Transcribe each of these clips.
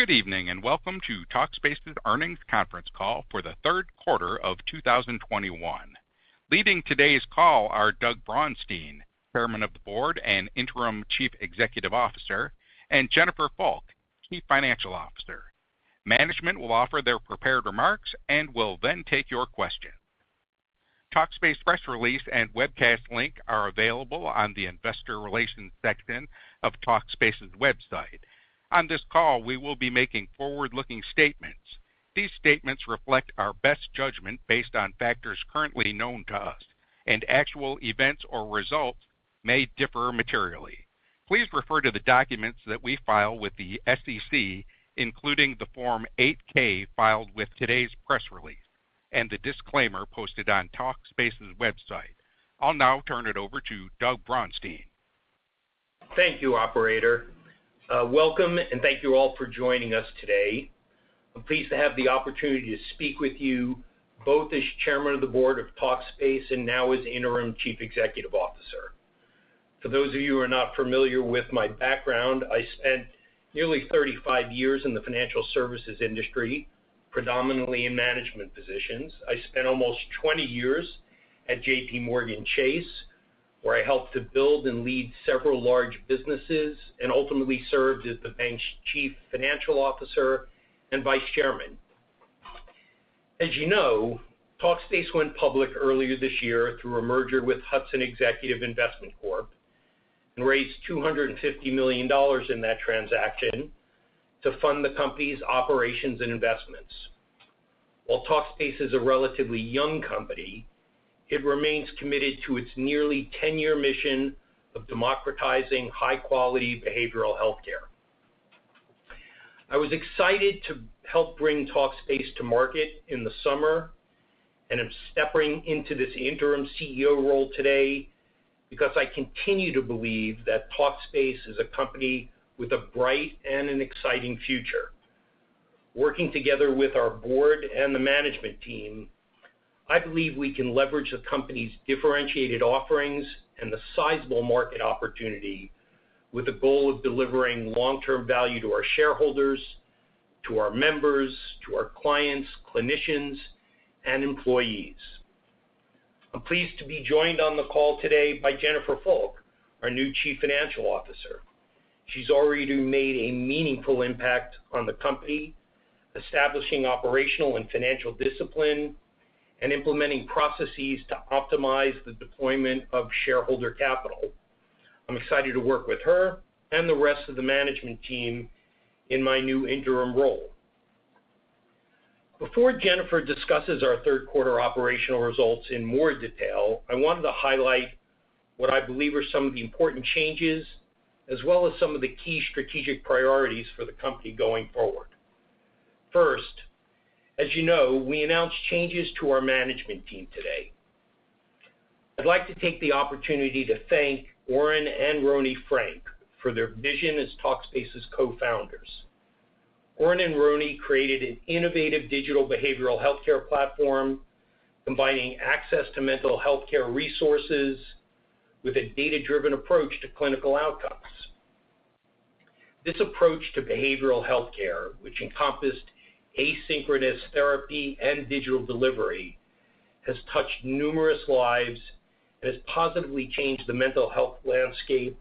Good evening, and welcome to Talkspace's Earnings Conference Call for the third quarter of 2021. Leading today's call are Doug Braunstein, Chairman of the Board and Interim Chief Executive Officer, and Jennifer Fulk, Chief Financial Officer. Management will offer their prepared remarks and will then take your questions. Talkspace press release and webcast link are available on the investor relations section of Talkspace's website. On this call, we will be making forward-looking statements. These statements reflect our best judgment based on factors currently known to us, and actual events or results may differ materially. Please refer to the documents that we file with the SEC, including the Form 8-K filed with today's press release and the disclaimer posted on Talkspace's website. I'll now turn it over to Doug Braunstein. Thank you, operator. Welcome, and thank you all for joining us today. I'm pleased to have the opportunity to speak with you both as Chairman of the Board of Talkspace and now as Interim Chief Executive Officer. For those of you who are not familiar with my background, I spent nearly 35 years in the financial services industry, predominantly in management positions. I spent almost 20 years at JPMorgan Chase, where I helped to build and lead several large businesses and ultimately served as the bank's Chief Financial Officer and Vice Chairman. As you know, Talkspace went public earlier this year through a merger with Hudson Executive Investment Corp and raised $250 million in that transaction to fund the company's operations and investments. While Talkspace is a relatively young company, it remains committed to its nearly 10-year mission of democratizing high-quality behavioral health care. I was excited to help bring Talkspace to market in the summer, and I'm stepping into this interim CEO role today because I continue to believe that Talkspace is a company with a bright and an exciting future. Working together with our board and the management team, I believe we can leverage the company's differentiated offerings and the sizable market opportunity with the goal of delivering long-term value to our shareholders, to our members, to our clients, clinicians, and employees. I'm pleased to be joined on the call today by Jennifer Fulk, our new Chief Financial Officer. She's already made a meaningful impact on the company, establishing operational and financial discipline and implementing processes to optimize the deployment of shareholder capital. I'm excited to work with her and the rest of the management team in my new interim role. Before Jennifer discusses our third quarter operational results in more detail, I wanted to highlight what I believe are some of the important changes as well as some of the key strategic priorities for the company going forward. First, as you know, we announced changes to our management team today. I'd like to take the opportunity to thank Oren and Roni Frank for their vision as Talkspace's co-founders. Oren and Roni created an innovative digital behavioral healthcare platform combining access to mental health care resources with a data-driven approach to clinical outcomes. This approach to behavioral health care, which encompassed asynchronous therapy and digital delivery, has touched numerous lives and has positively changed the mental health landscape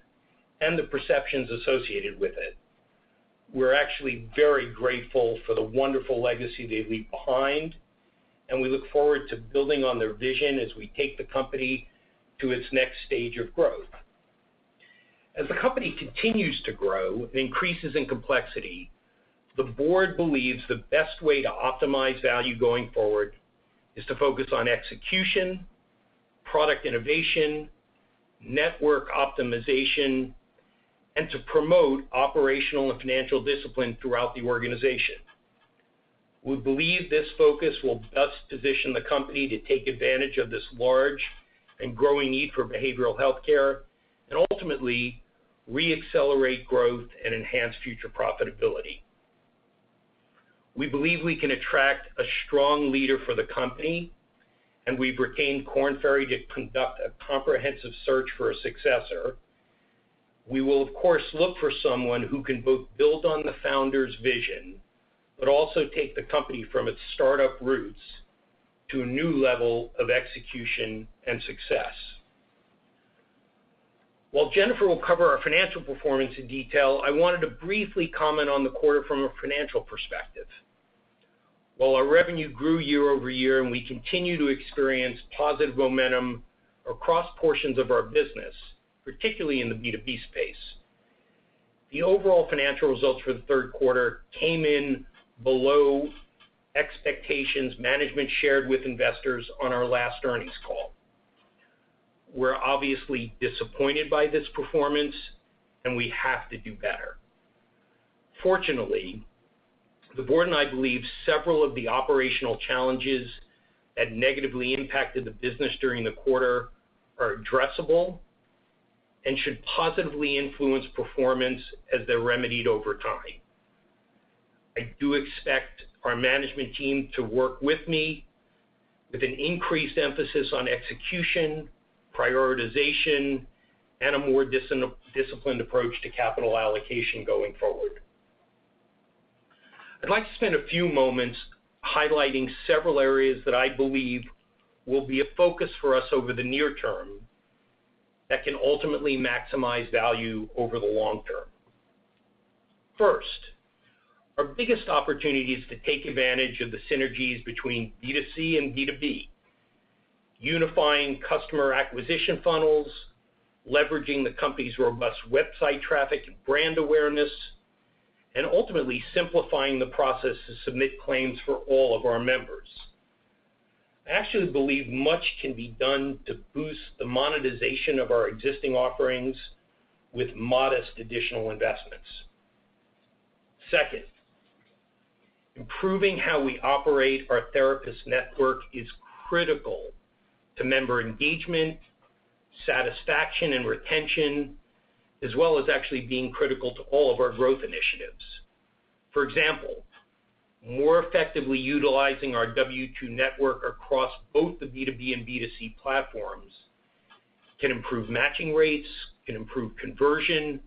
and the perceptions associated with it. We're actually very grateful for the wonderful legacy they leave behind, and we look forward to building on their vision as we take the company to its next stage of growth. As the company continues to grow and increases in complexity, the board believes the best way to optimize value going forward is to focus on execution, product innovation, network optimization, and to promote operational and financial discipline throughout the organization. We believe this focus will best position the company to take advantage of this large and growing need for behavioral health care and ultimately re-accelerate growth and enhance future profitability. We believe we can attract a strong leader for the company, and we've retained Korn Ferry to conduct a comprehensive search for a successor. We will, of course, look for someone who can both build on the founder's vision but also take the company from its startup roots to a new level of execution and success. While Jennifer will cover our financial performance in detail, I wanted to briefly comment on the quarter from a financial perspective. While our revenue grew year-over-year and we continue to experience positive momentum across portions of our business, particularly in the B2B space, the overall financial results for the third quarter came in below expectations management shared with investors on our last earnings call. We're obviously disappointed by this performance, and we have to do better. Fortunately, the board and I believe several of the operational challenges that negatively impacted the business during the quarter are addressable and should positively influence performance as they're remedied over time. I do expect our management team to work with me with an increased emphasis on execution, prioritization, and a more disciplined approach to capital allocation going forward. I'd like to spend a few moments highlighting several areas that I believe will be a focus for us over the near term that can ultimately maximize value over the long term. First, our biggest opportunity is to take advantage of the synergies between B2C and B2B, unifying customer acquisition funnels, leveraging the company's robust website traffic and brand awareness, and ultimately simplifying the process to submit claims for all of our members. I actually believe much can be done to boost the monetization of our existing offerings with modest additional investments. Second, improving how we operate our therapist network is critical to member engagement, satisfaction, and retention, as well as actually being critical to all of our growth initiatives. For example, more effectively utilizing our W-2 network across both the B2B and B2C platforms can improve matching rates, can improve conversion,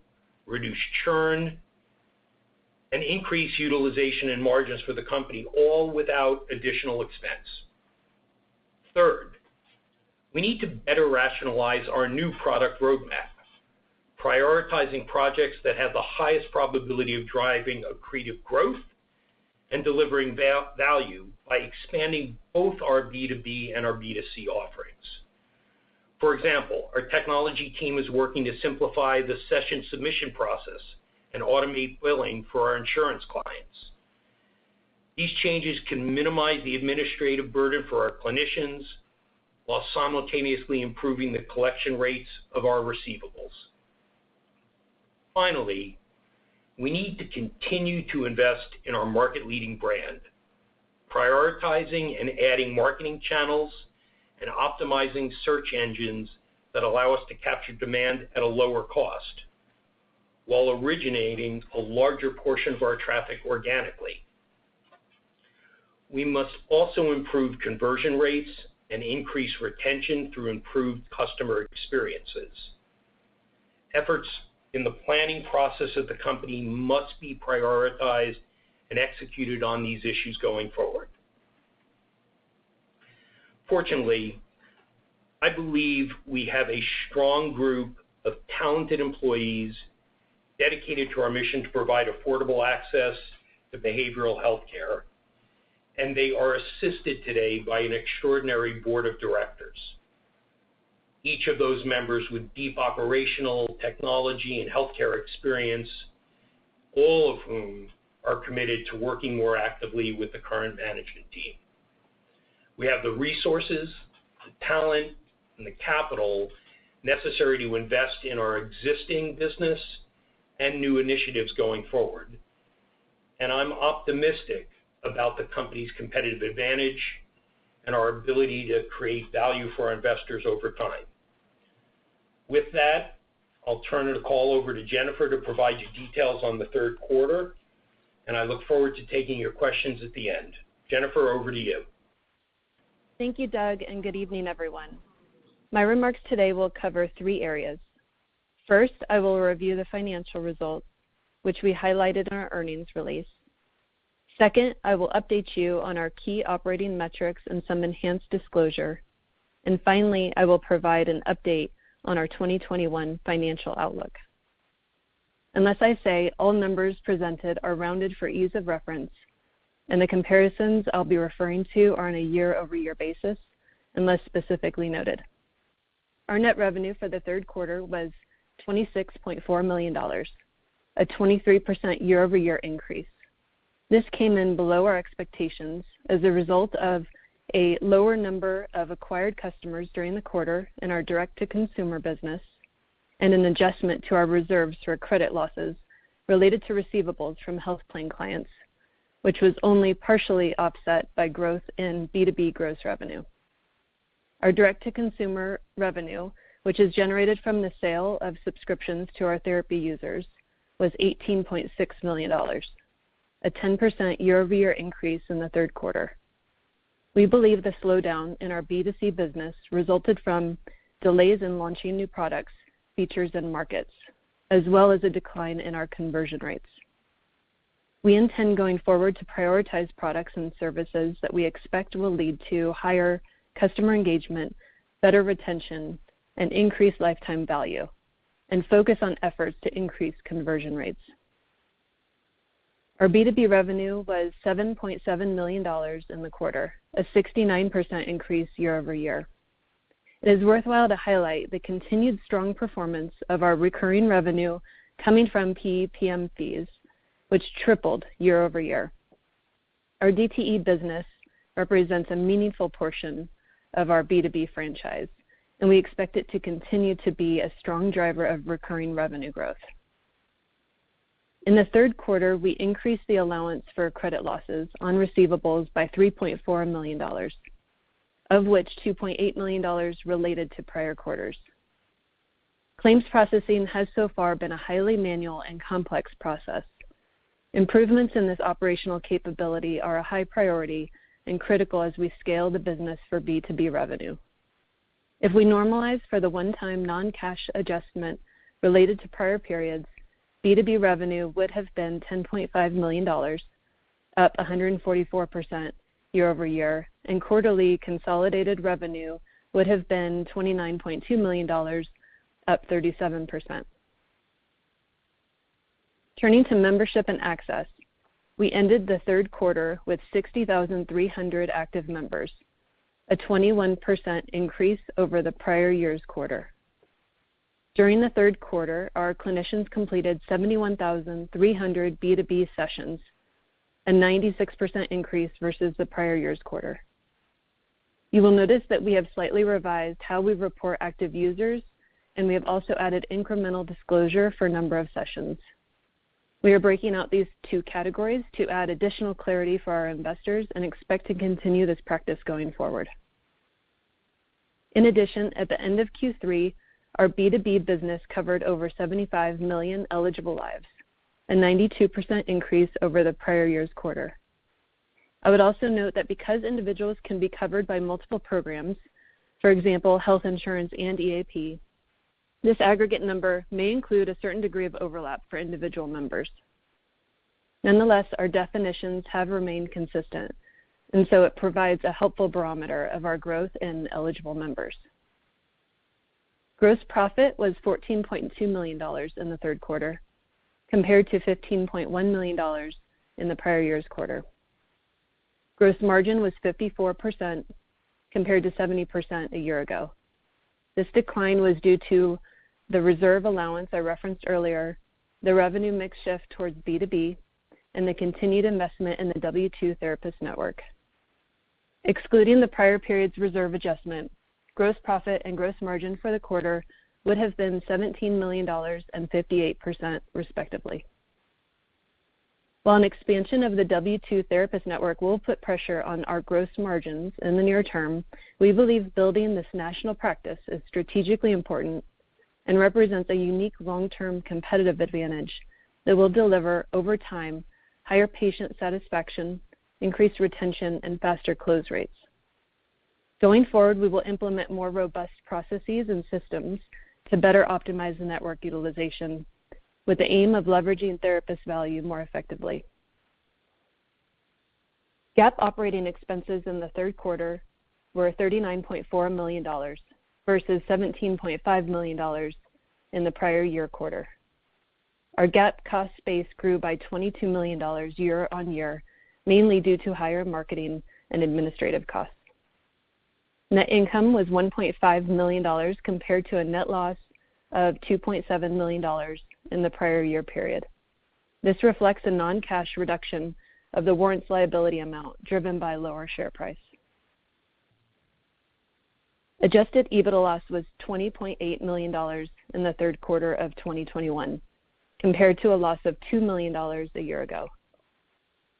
reduce churn, and increase utilization and margins for the company, all without additional expense. Third, we need to better rationalize our new product roadmap, prioritizing projects that have the highest probability of driving accretive growth and delivering value by expanding both our B2B and our B2C offerings. For example, our technology team is working to simplify the session submission process and automate billing for our insurance clients. These changes can minimize the administrative burden for our clinicians while simultaneously improving the collection rates of our receivables. Finally, we need to continue to invest in our market-leading brand, prioritizing and adding marketing channels and optimizing search engines that allow us to capture demand at a lower cost while originating a larger portion of our traffic organically. We must also improve conversion rates and increase retention through improved customer experiences. Efforts in the planning process of the company must be prioritized and executed on these issues going forward. Fortunately, I believe we have a strong group of talented employees dedicated to our mission to provide affordable access to behavioral health care, and they are assisted today by an extraordinary board of directors, each of those members with deep operational technology and healthcare experience, all of whom are committed to working more actively with the current management team. We have the resources, the talent, and the capital necessary to invest in our existing business and new initiatives going forward, and I'm optimistic about the company's competitive advantage and our ability to create value for our investors over time. With that, I'll turn the call over to Jennifer to provide you details on the third quarter, and I look forward to taking your questions at the end. Jennifer, over to you. Thank you, Doug, and good evening, everyone. My remarks today will cover three areas. First, I will review the financial results, which we highlighted in our earnings release. Second, I will update you on our key operating metrics and some enhanced disclosure. Finally, I will provide an update on our 2021 financial outlook. Unless I say, all numbers presented are rounded for ease of reference, and the comparisons I'll be referring to are on a year-over-year basis, unless specifically noted. Our net revenue for the third quarter was $26.4 million, a 23% year-over-year increase. This came in below our expectations as a result of a lower number of acquired customers during the quarter in our direct-to-consumer business and an adjustment to our reserves for credit losses related to receivables from health plan clients, which was only partially offset by growth in B2B gross revenue. Our direct-to-consumer revenue, which is generated from the sale of subscriptions to our therapy users, was $18.6 million, a 10% year-over-year increase in the third quarter. We believe the slowdown in our B2C business resulted from delays in launching new products, features, and markets, as well as a decline in our conversion rates. We intend going forward to prioritize products and services that we expect will lead to higher customer engagement, better retention, and increased lifetime value and focus on efforts to increase conversion rates. Our B2B revenue was $7.7 million in the quarter, a 69% increase year-over-year. It is worthwhile to highlight the continued strong performance of our recurring revenue coming from PEPM fees, which tripled year-over-year. Our DTE business represents a meaningful portion of our B2B franchise, and we expect it to continue to be a strong driver of recurring revenue growth. In the third quarter, we increased the allowance for credit losses on receivables by $3.4 million, of which $2.8 million related to prior quarters. Claims processing has so far been a highly manual and complex process. Improvements in this operational capability are a high priority and critical as we scale the business for B2B revenue. If we normalize for the one-time non-cash adjustment related to prior periods, B2B revenue would have been $10.5 million, up 144% year-over-year, and quarterly consolidated revenue would have been $29.2 million, up 37%. Turning to membership and access, we ended the third quarter with 60,300 active members, a 21% increase over the prior year's quarter. During the third quarter, our clinicians completed 71,300 B2B sessions, a 96% increase versus the prior year's quarter. You will notice that we have slightly revised how we report active users, and we have also added incremental disclosure for number of sessions. We are breaking out these two categories to add additional clarity for our investors and expect to continue this practice going forward. In addition, at the end of Q3, our B2B business covered over 75 million eligible lives, a 92% increase over the prior year's quarter. I would also note that because individuals can be covered by multiple programs, for example, health insurance and EAP, this aggregate number may include a certain degree of overlap for individual members. Nonetheless, our definitions have remained consistent, and so it provides a helpful barometer of our growth in eligible members. Gross profit was $14.2 million in the third quarter compared to $15.1 million in the prior year's quarter. Gross margin was 54% compared to 70% a year ago. This decline was due to the reserve allowance I referenced earlier, the revenue mix shift towards B2B, and the continued investment in the W-2 therapist network. Excluding the prior period's reserve adjustment, gross profit and gross margin for the quarter would have been $17 million and 58%, respectively. While an expansion of the W-2 therapist network will put pressure on our gross margins in the near term, we believe building this national practice is strategically important and represents a unique long-term competitive advantage that will deliver, over time, higher patient satisfaction, increased retention, and faster close rates. Going forward, we will implement more robust processes and systems to better optimize the network utilization with the aim of leveraging therapist value more effectively. GAAP operating expenses in the third quarter were $39.4 million versus $17.5 million in the prior year quarter. Our GAAP cost base grew by $22 million year-on-year, mainly due to higher marketing and administrative costs. Net income was $1.5 million compared to a net loss of $2.7 million in the prior year period. This reflects a non-cash reduction of the warrants liability amount driven by lower share price. Adjusted EBITDA loss was $20.8 million in the third quarter of 2021 compared to a loss of $2 million a year ago.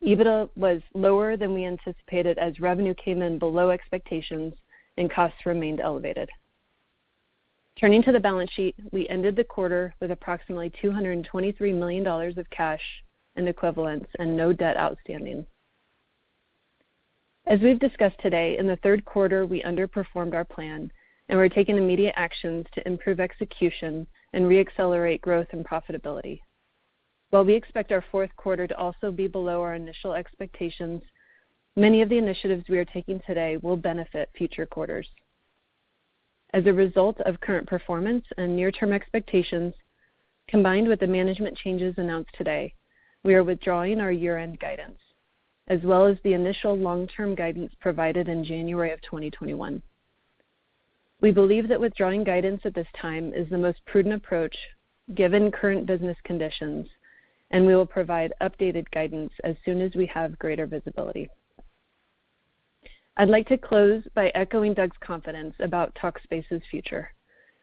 EBITDA was lower than we anticipated as revenue came in below expectations and costs remained elevated. Turning to the balance sheet, we ended the quarter with approximately $223 million of cash and equivalents and no debt outstanding. As we've discussed today, in the third quarter, we underperformed our plan, and we're taking immediate actions to improve execution and re-accelerate growth and profitability. While we expect our fourth quarter to also be below our initial expectations, many of the initiatives we are taking today will benefit future quarters. As a result of current performance and near-term expectations, combined with the management changes announced today, we are withdrawing our year-end guidance as well as the initial long-term guidance provided in January of 2021. We believe that withdrawing guidance at this time is the most prudent approach given current business conditions, and we will provide updated guidance as soon as we have greater visibility. I'd like to close by echoing Doug's confidence about Talkspace's future.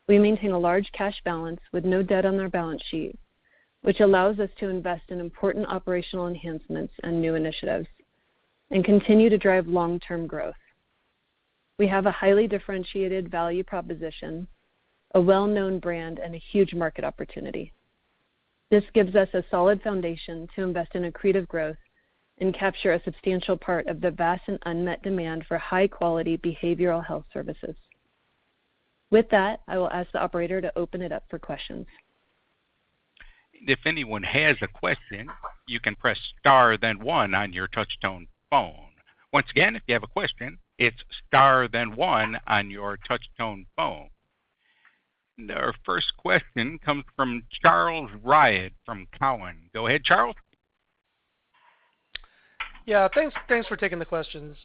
We maintain a large cash balance with no debt on our balance sheet, which allows us to invest in important operational enhancements and new initiatives and continue to drive long-term growth. We have a highly differentiated value proposition, a well-known brand, and a huge market opportunity. This gives us a solid foundation to invest in accretive growth and capture a substantial part of the vast and unmet demand for high-quality behavioral health services. With that, I will ask the operator to open it up for questions. If anyone has a question, you can press star then one on your touch-tone phone. Once again, if you have a question, it's star then one on your touch-tone phone. Our first question comes from Charles Rhyee from Cowen. Go ahead, Charles. Yeah. Thanks for taking the questions.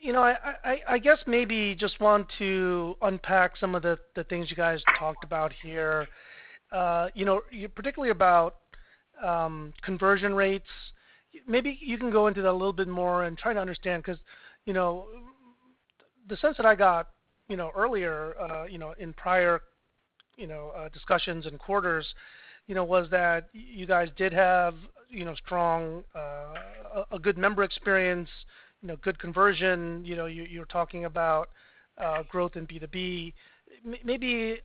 You know, I guess maybe just want to unpack some of the things you guys talked about here, you know, particularly about conversion rates. Maybe you can go into that a little bit more and try to understand because, you know, the sense that I got, you know, earlier, you know, in prior, you know, discussions and quarters, you know, was that you guys did have, you know, strong, a good member experience, you know, good conversion, you know, you're talking about, growth in B2B. Maybe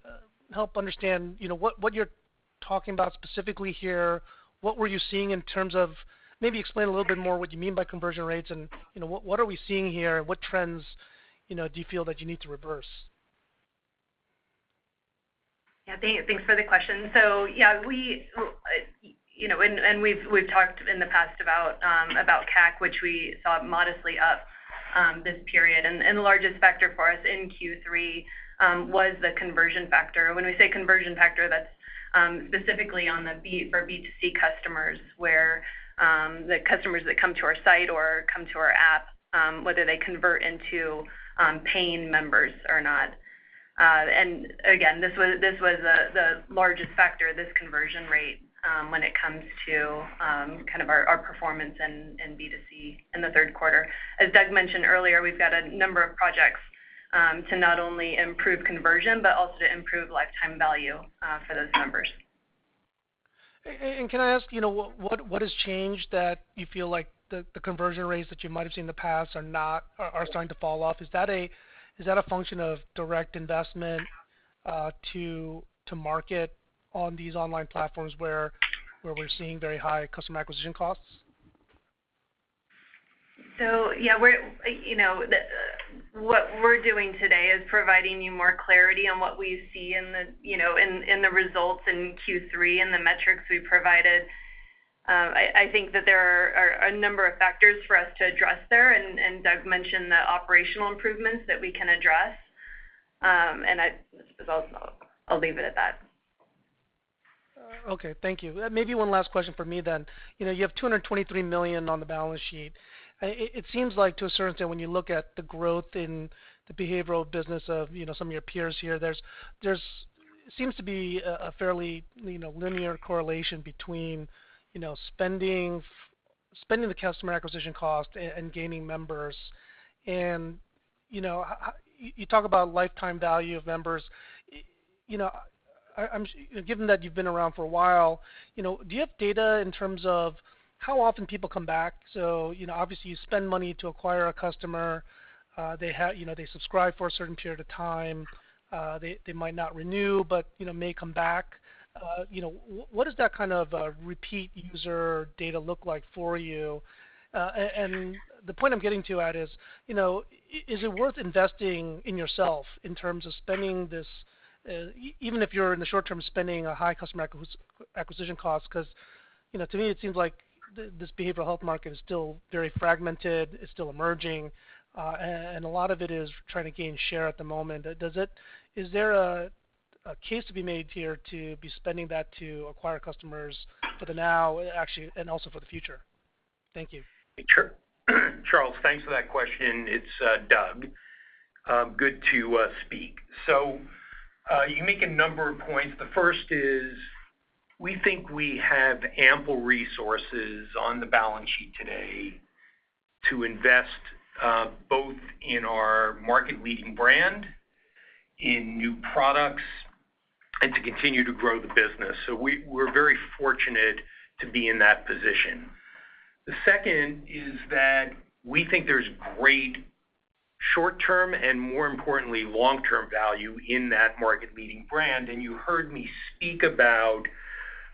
help understand, you know, what you're talking about specifically here. What were you seeing in terms of conversion rates. Maybe explain a little bit more what you mean by conversion rates and, you know, what are we seeing here? What trends, you know, do you feel that you need to reverse? Yeah. Thanks for the question. Yeah, you know, we've talked in the past about CAC, which we saw modestly up this period. The largest factor for us in Q3 was the conversion factor. When we say conversion factor, that's specifically for B2C customers, where the customers that come to our site or come to our app whether they convert into paying members or not. Again, this was the largest factor, this conversion rate, when it comes to kind of our performance in B2C in the third quarter. As Doug mentioned earlier, we've got a number of projects to not only improve conversion, but also to improve lifetime value for those members. Can I ask, you know, what has changed that you feel like the conversion rates that you might have seen in the past are starting to fall off? Is that a function of direct investment to market on these online platforms where we're seeing very high customer acquisition costs? Yeah, we're you know what we're doing today is providing you more clarity on what we see in the you know in the results in Q3 and the metrics we provided. I think that there are a number of factors for us to address there, and Doug mentioned the operational improvements that we can address. I'll leave it at that. Okay. Thank you. Maybe one last question from me then. You know, you have $223 million on the balance sheet. It seems like to a certain extent, when you look at the growth in the behavioral business of, you know, some of your peers here, there seems to be a fairly linear correlation between, you know, spending the customer acquisition cost and gaining members. You know, you talk about lifetime value of members. You know, given that you've been around for a while, you know, do you have data in terms of how often people come back? You know, obviously, you spend money to acquire a customer. They have, you know, they subscribe for a certain period of time. They might not renew, but, you know, may come back. You know, what is that kind of repeat user data look like for you? The point I'm getting to, that is, you know, is it worth investing in yourself in terms of spending this, even if you're in the short term, spending a high customer acquisition cost? 'Cause, you know, to me, it seems like this behavioral health market is still very fragmented, it's still emerging, and a lot of it is trying to gain share at the moment. Is there a case to be made here to be spending that to acquire customers for the now, actually, and also for the future? Thank you. Sure. Charles, thanks for that question. It's Doug. Good to speak. You make a number of points. The first is, we think we have ample resources on the balance sheet today to invest both in our market-leading brand, in new products, and to continue to grow the business. We're very fortunate to be in that position. The second is that we think there's great short-term and, more importantly, long-term value in that market-leading brand. You heard me speak about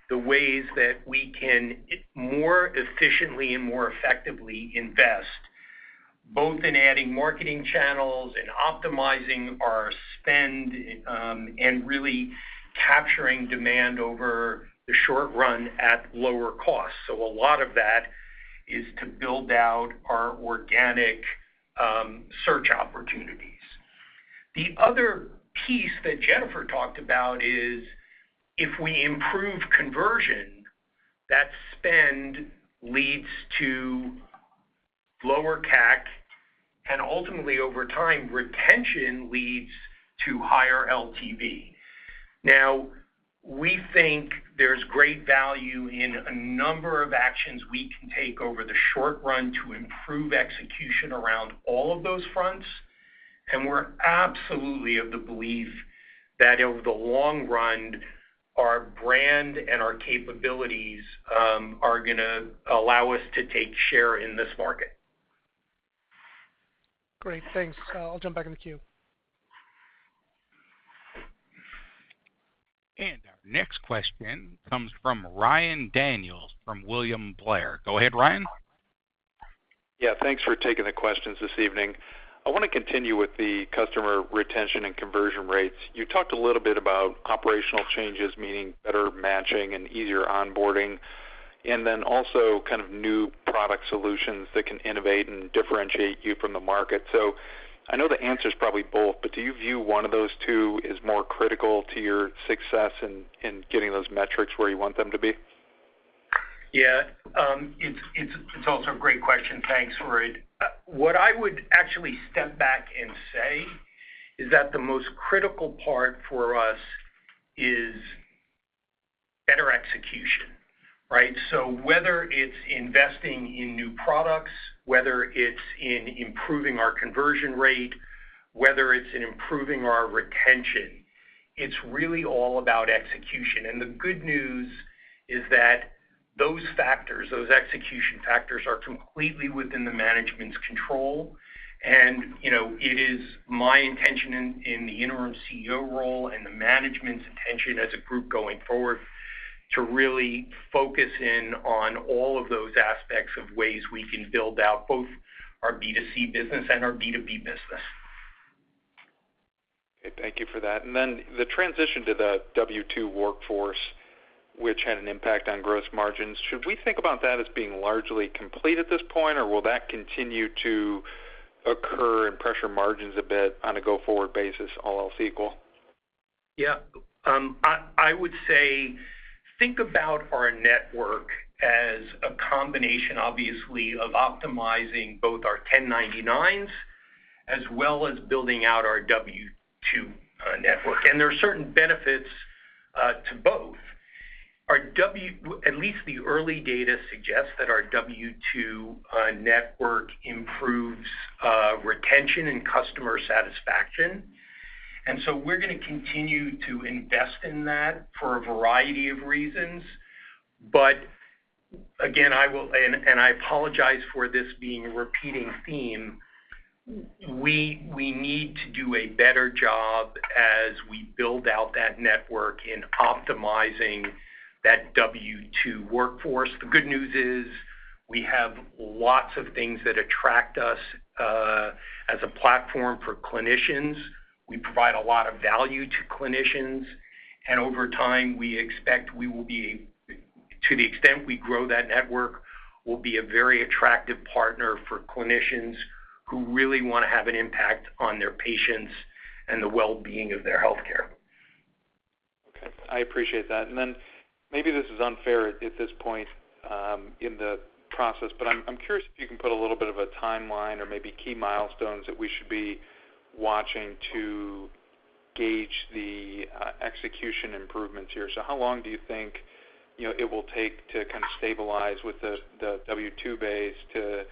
the ways that we can more efficiently and more effectively invest, both in adding marketing channels and optimizing our spend, and really capturing demand over the short run at lower cost. A lot of that is to build out our organic search opportunities. The other piece that Jennifer talked about is if we improve conversion, that spend leads to lower CAC, and ultimately, over time, retention leads to higher LTV. Now, we think there's great value in a number of actions we can take over the short run to improve execution around all of those fronts, and we're absolutely of the belief that over the long run, our brand and our capabilities are gonna allow us to take share in this market. Great. Thanks. I'll jump back in the queue. Our next question comes from Ryan Daniels from William Blair. Go ahead, Ryan. Yeah, thanks for taking the questions this evening. I want to continue with the customer retention and conversion rates. You talked a little bit about operational changes, meaning better matching and easier onboarding, and then also kind of new product solutions that can innovate and differentiate you from the market. I know the answer is probably both, but do you view one of those two as more critical to your success in getting those metrics where you want them to be? Yeah. It's also a great question. Thanks, Ryan. What I would actually step back and say is that the most critical part for us is execution, right? So whether it's investing in new products, whether it's in improving our conversion rate, whether it's in improving our retention, it's really all about execution. The good news is that those factors, those execution factors, are completely within the management's control. You know, it is my intention in the interim CEO role and the management's intention as a group going forward to really focus in on all of those aspects of ways we can build out both our B2C business and our B2B business. Okay, thank you for that. The transition to the W-2 workforce, which had an impact on gross margins, should we think about that as being largely complete at this point? Or will that continue to occur and pressure margins a bit on a go-forward basis, all else equal? Yeah. I would say think about our network as a combination, obviously, of optimizing both our 1099s as well as building out our W-2 network. There are certain benefits to both. Our W-2, at least the early data suggests that our W-2 network improves retention and customer satisfaction. We're gonna continue to invest in that for a variety of reasons. Again, I apologize for this being a repeating theme, and we need to do a better job as we build out that network in optimizing that W-2 workforce. The good news is we have lots of things that attract us as a platform for clinicians. We provide a lot of value to clinicians, and over time, to the extent we grow that network, we'll be a very attractive partner for clinicians who really wanna have an impact on their patients and the well-being of their healthcare. Okay, I appreciate that. Then maybe this is unfair at this point in the process, but I'm curious if you can put a little bit of a timeline or maybe key milestones that we should be watching to gauge the execution improvements here. How long do you think, you know, it will take to kind of stabilize with the W-2 base to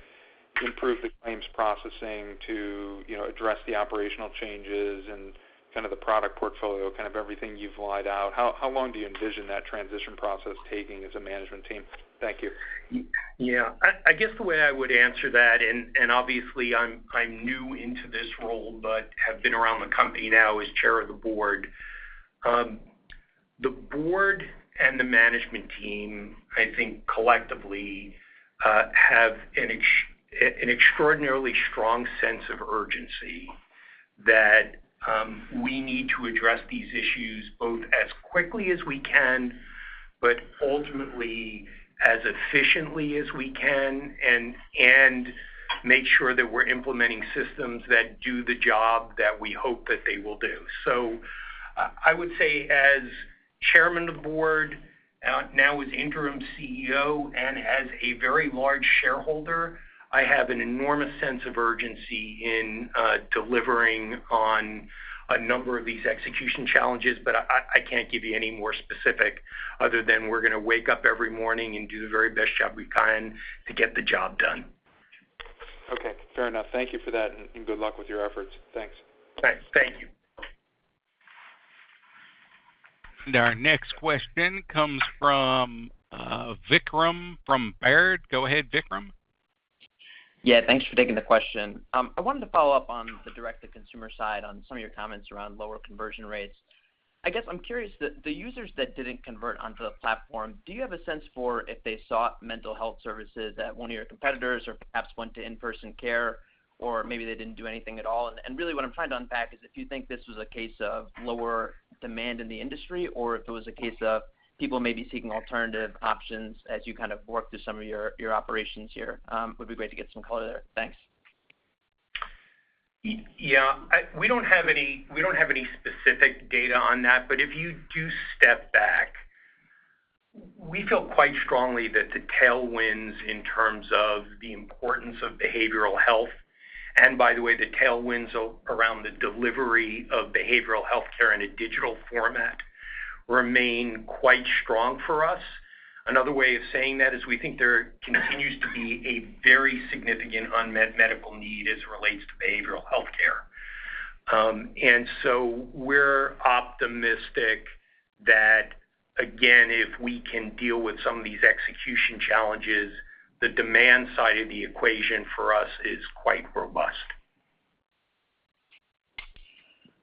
improve the claims processing, to, you know, address the operational changes and kind of the product portfolio, kind of everything you've laid out? How long do you envision that transition process taking as a management team? Thank you. Yeah. I guess the way I would answer that, and obviously, I'm new to this role, but have been around the company now as Chair of the Board. The board and the management team, I think, collectively, have an extraordinarily strong sense of urgency that we need to address these issues both as quickly as we can, but ultimately, as efficiently as we can and make sure that we're implementing systems that do the job that we hope that they will do. I would say as Chairman of the Board, now as Interim CEO and as a very large shareholder, I have an enormous sense of urgency in delivering on a number of these execution challenges. I can't give you any more specifics other than we're gonna wake up every morning and do the very best job we can to get the job done. Okay, fair enough. Thank you for that, and good luck with your efforts. Thanks. Thanks. Thank you. Our next question comes from Vikram from Baird. Go ahead, Vikram. Yeah, thanks for taking the question. I wanted to follow up on the direct-to-consumer side on some of your comments around lower conversion rates. I guess I'm curious, the users that didn't convert onto the platform, do you have a sense for if they sought mental health services at one of your competitors or perhaps went to in-person care, or maybe they didn't do anything at all? Really what I'm trying to unpack is if you think this was a case of lower demand in the industry or if it was a case of people maybe seeking alternative options as you kind of work through some of your operations here. Would be great to get some color there. Thanks. Yeah. We don't have any specific data on that. If you do step back, we feel quite strongly that the tailwinds in terms of the importance of behavioral health, and by the way, the tailwinds around the delivery of behavioral health care in a digital format remain quite strong for us. Another way of saying that is we think there continues to be a very significant unmet medical need as it relates to behavioral health care. We're optimistic that, again, if we can deal with some of these execution challenges, the demand side of the equation for us is quite robust.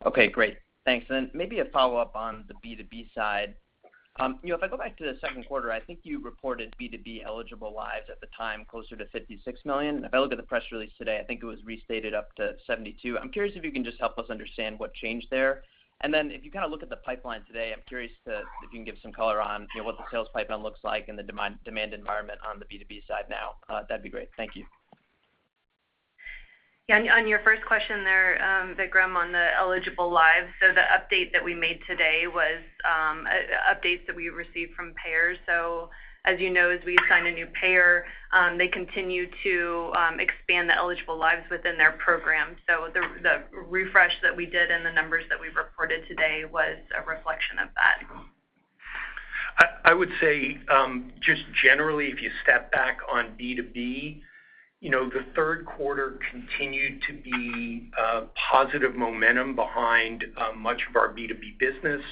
Okay, great. Thanks. Maybe a follow-up on the B2B side. You know, if I go back to the second quarter, I think you reported B2B eligible lives at the time closer to 56 million. If I look at the press release today, I think it was restated up to 72. I'm curious if you can just help us understand what changed there. If you kinda look at the pipeline today, I'm curious if you can give some color on, you know, what the sales pipeline looks like and the demand environment on the B2B side now. That'd be great. Thank you. Yeah. On your first question there, Vikram, on the eligible lives. The update that we made today was updates that we received from payers. As you know, as we sign a new payer, they continue to expand the eligible lives within their program. The refresh that we did and the numbers that we've reported today was a reflection of that. I would say just generally, if you step back on B2B, you know, the third quarter continued to be positive momentum behind much of our B2B business.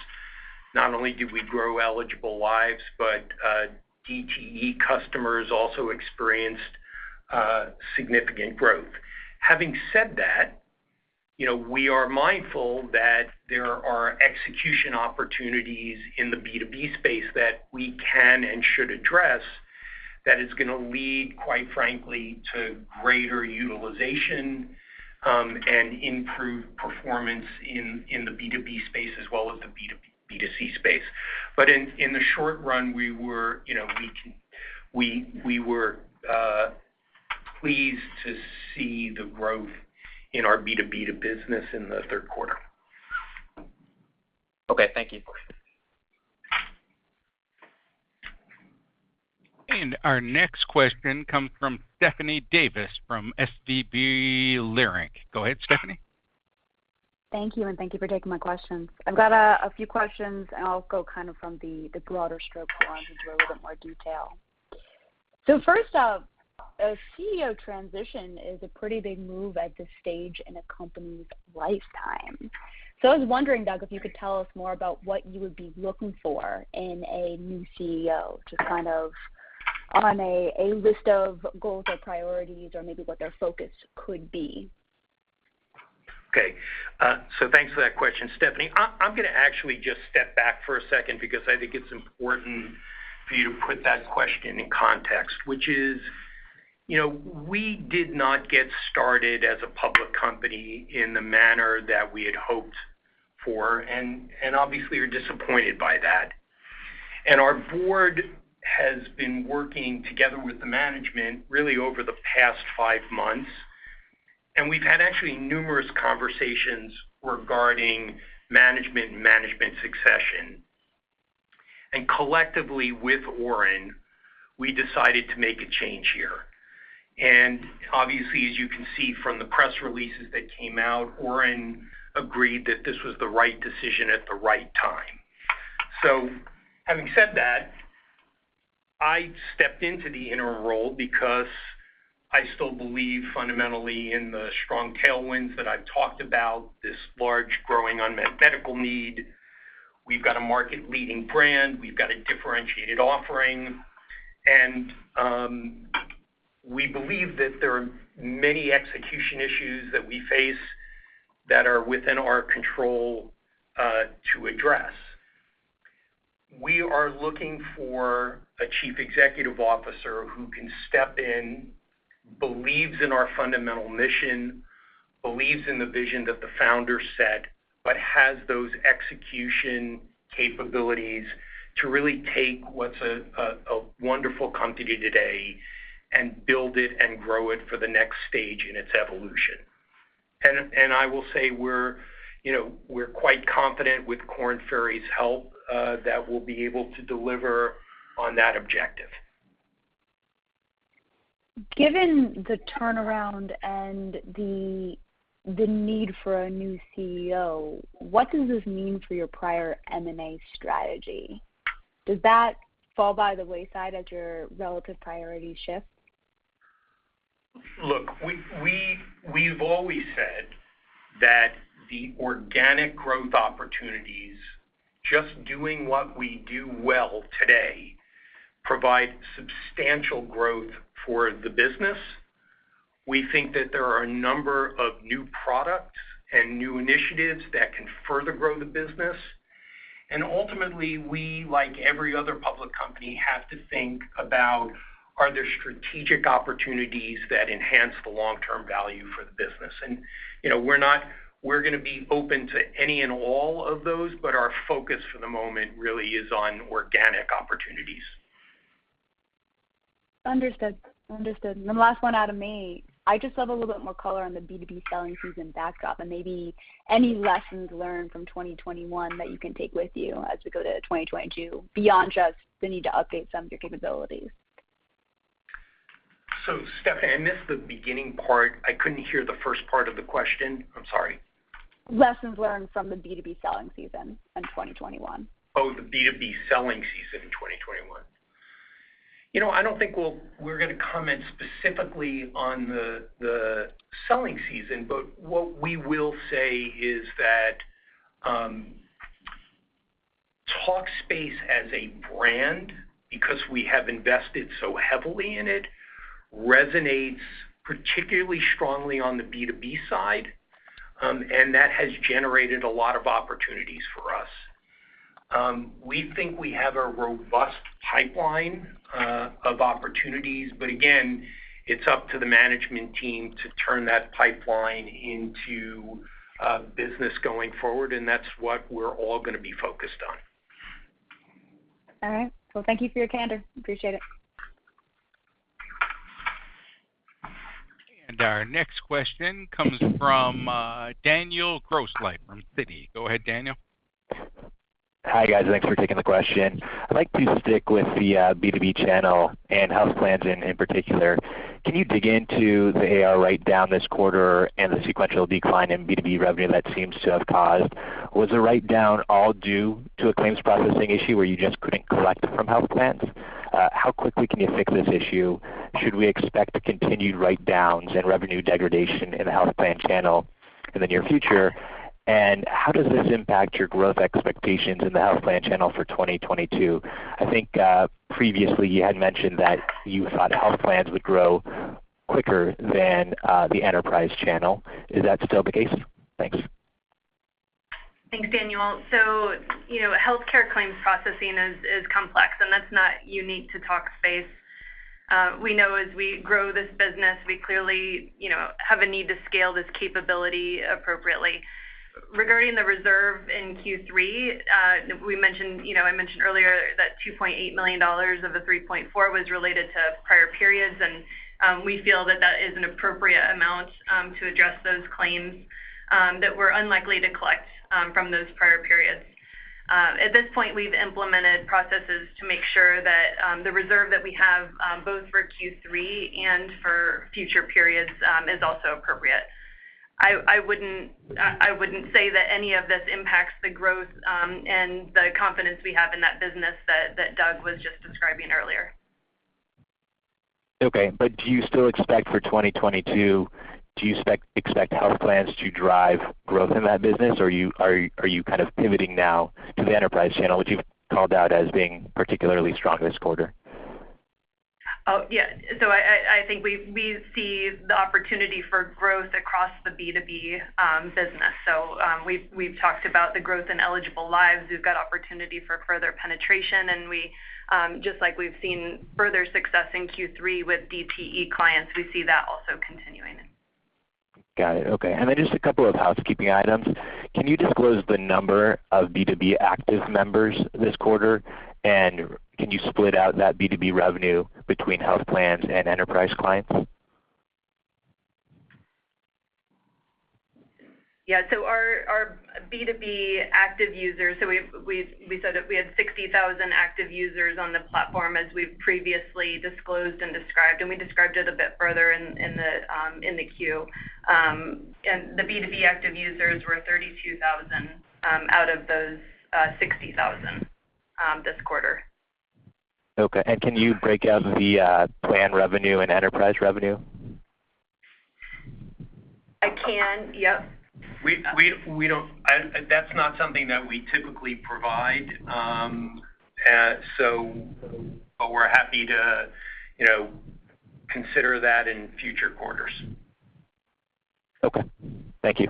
Not only did we grow eligible lives, but DTE customers also experienced significant growth. Having said that, you know, we are mindful that there are execution opportunities in the B2B space that we can and should address that is gonna lead, quite frankly, to greater utilization and improved performance in the B2B space as well as the B2B to B2C space. In the short run, we were, you know, pleased to see the growth in our B2B business in the third quarter. Okay. Thank you. Our next question comes from Stephanie Davis from SVB Leerink. Go ahead, Stephanie. Thank you, and thank you for taking my questions. I've got a few questions, and I'll go kind of from the broader stroke ones into a little bit more detail. First up, a CEO transition is a pretty big move at this stage in a company's lifetime. I was wondering, Doug, if you could tell us more about what you would be looking for in a new CEO, just kind of on a list of goals or priorities or maybe what their focus could be. Okay. Thanks for that question, Stephanie. I'm gonna actually just step back for a second because I think it's important for you to put that question in context, which is, you know, we did not get started as a public company in the manner that we had hoped for, and obviously are disappointed by that. Our board has been working together with the management really over the past five months, and we've had actually numerous conversations regarding management and management succession. Collectively, with Oren, we decided to make a change here. Obviously, as you can see from the press releases that came out, Oren agreed that this was the right decision at the right time. Having said that, I stepped into the interim role because I still believe fundamentally in the strong tailwinds that I've talked about, this large growing unmet medical need. We've got a market-leading brand. We've got a differentiated offering. We believe that there are many execution issues that we face that are within our control to address. We are looking for a Chief Executive Officer who can step in, believes in our fundamental mission, believes in the vision that the founder set, but has those execution capabilities to really take what's a wonderful company today and build it and grow it for the next stage in its evolution. I will say we're you know quite confident with Korn Ferry's help that we'll be able to deliver on that objective. Given the turnaround and the need for a new CEO, what does this mean for your prior M&A strategy? Does that fall by the wayside as your relative priorities shift? Look, we've always said that the organic growth opportunities, just doing what we do well today, provide substantial growth for the business. We think that there are a number of new products and new initiatives that can further grow the business. Ultimately, we, like every other public company, have to think about are there strategic opportunities that enhance the long-term value for the business. You know, we're gonna be open to any and all of those, but our focus for the moment really is on organic opportunities. Understood. The last one out of me, I just love a little bit more color on the B2B selling season backdrop and maybe any lessons learned from 2021 that you can take with you as we go to 2022 beyond just the need to update some of your capabilities. Stephanie, I missed the beginning part. I couldn't hear the first part of the question. I'm sorry. Lessons learned from the B2B selling season in 2021. Oh, the B2B selling season in 2021. You know, I don't think we're gonna comment specifically on the selling season, but what we will say is that Talkspace as a brand, because we have invested so heavily in it, resonates particularly strongly on the B2B side, and that has generated a lot of opportunities for us. We think we have a robust pipeline of opportunities, but again, it's up to the management team to turn that pipeline into business going forward, and that's what we're all gonna be focused on. All right. Well, thank you for your candor. Appreciate it. Our next question comes from Daniel Grosslight from Citi. Go ahead, Daniel. Hi, guys. Thanks for taking the question. I'd like to stick with the B2B channel and health plans in particular. Can you dig into the AR write-down this quarter and the sequential decline in B2B revenue that seems to have caused? Was the write-down all due to a claims processing issue where you just couldn't collect from health plans? How quickly can you fix this issue? Should we expect continued write-downs and revenue degradation in the health plan channel in the near future? How does this impact your growth expectations in the health plan channel for 2022? I think previously you had mentioned that you thought health plans would grow quicker than the enterprise channel. Is that still the case? Thanks. Thanks, Daniel. You know, healthcare claims processing is complex, and that's not unique to Talkspace. We know as we grow this business, we clearly, you know, have a need to scale this capability appropriately. Regarding the reserve in Q3, we mentioned you know, I mentioned earlier that $2.8 million of the $3.4 was related to prior periods, and we feel that is an appropriate amount to address those claims that we're unlikely to collect from those prior periods. At this point, we've implemented processes to make sure that the reserve that we have both for Q3 and for future periods is also appropriate. I wouldn't say that any of this impacts the growth and the confidence we have in that business that Doug was just describing earlier. Okay, but do you still expect for 2022, do you expect health plans to drive growth in that business, or are you kind of pivoting now to the enterprise channel, which you've called out as being particularly strong this quarter? Oh, yeah. I think we see the opportunity for growth across the B2B business. We've talked about the growth in eligible lives. We've got opportunity for further penetration, and just like we've seen further success in Q3 with DTE clients, we see that also continuing. Got it. Okay. Just a couple of housekeeping items. Can you disclose the number of B2B active members this quarter? And can you split out that B2B revenue between health plans and enterprise clients? Yeah. Our B2B active users, we said that we had 60,000 active users on the platform as we've previously disclosed and described, and we described it a bit further in the Q3, and the B2B active users were 32,000 out of those 60,000 this quarter. Okay. Can you break out the plan revenue and enterprise revenue? I can, yep. That's not something that we typically provide, so but we're happy to, you know, consider that in future quarters. Okay. Thank you.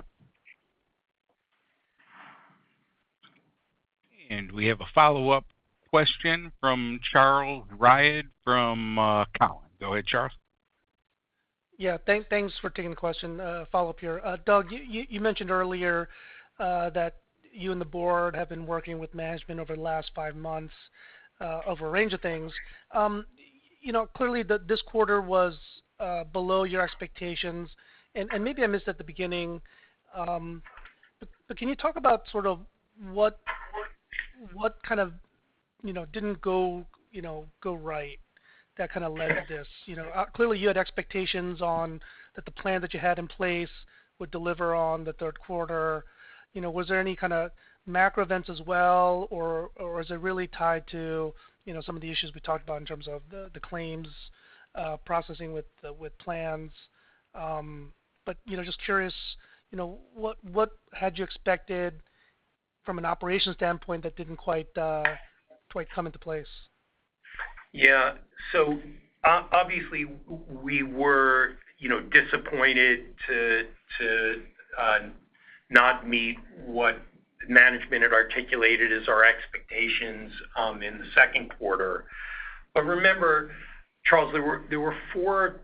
We have a follow-up question from Charles Rhyee from Cowen. Go ahead, Charles. Yeah. Thanks for taking the question. Follow-up here. Doug, you mentioned earlier that you and the board have been working with management over the last five months over a range of things. You know, clearly this quarter was below your expectations, and maybe I missed at the beginning, but can you talk about sort of what kind of, you know, didn't go right that led to this, you know? Clearly you had expectations that the plan that you had in place would deliver on the third quarter. You know, was there any kind of macro events as well, or is it really tied to, you know, some of the issues we talked about in terms of the claims processing with plans? You know, just curious, you know, what had you expected from an operations standpoint that didn't quite come into place? Yeah. Obviously, we were, you know, disappointed to not meet what management had articulated as our expectations in the second quarter. Remember, Charles, there were four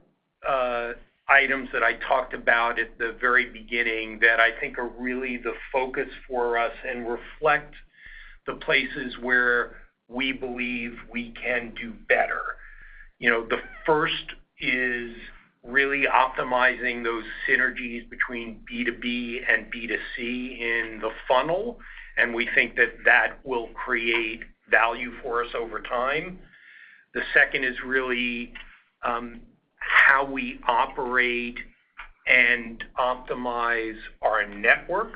items that I talked about at the very beginning that I think are really the focus for us and reflect the places where we believe we can do better. You know, the first is really optimizing those synergies between B2B and B2C in the funnel, and we think that will create value for us over time. The second is really how we operate and optimize our network,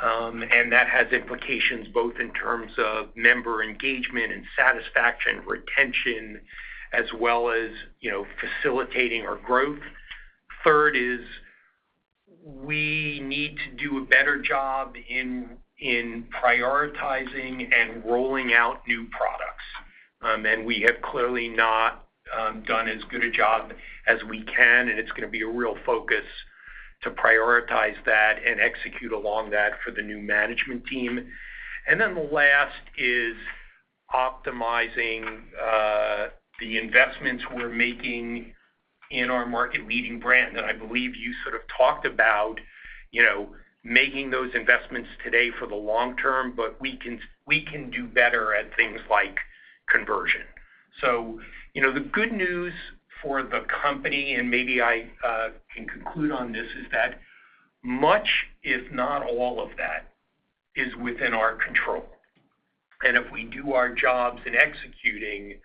and that has implications both in terms of member engagement and satisfaction, retention, as well as, you know, facilitating our growth. Third is we need to do a better job in prioritizing and rolling out new products. We have clearly not done as good a job as we can, and it's gonna be a real focus to prioritize that and execute along that for the new management team. The last is optimizing the investments we're making in our market-leading brand. I believe you sort of talked about, you know, making those investments today for the long term, but we can do better at things like conversion. You know, the good news for the company, and maybe I can conclude on this, is that much, if not all of that, is within our control. If we do our jobs in executing,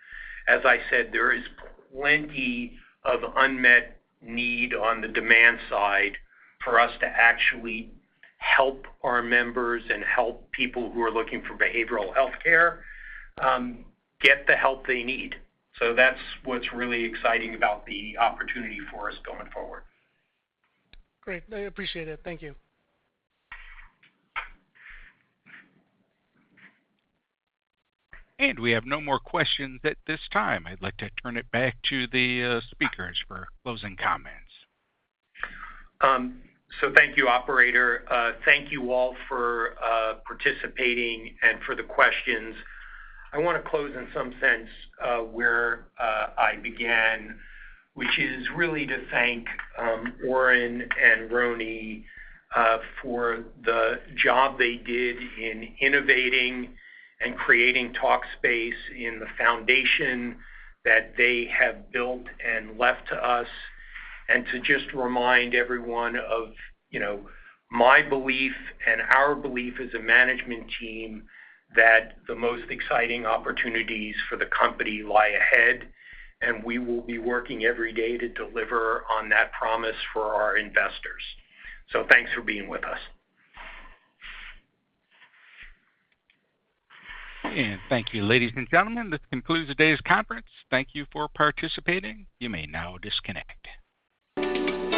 as I said, there is plenty of unmet need on the demand side for us to actually help our members and help people who are looking for behavioral healthcare get the help they need. That's what's really exciting about the opportunity for us going forward. Great. I appreciate it. Thank you. We have no more questions at this time. I'd like to turn it back to the speakers for closing comments. Thank you, operator. Thank you all for participating and for the questions. I wanna close in some sense, where I began, which is really to thank Oren and Roni for the job they did in innovating and creating Talkspace and the foundation that they have built and left to us, and to just remind everyone of, you know, my belief and our belief as a management team that the most exciting opportunities for the company lie ahead, and we will be working every day to deliver on that promise for our investors. Thanks for being with us. Thank you. Ladies and gentlemen, this concludes today's conference. Thank you for participating. You may now disconnect.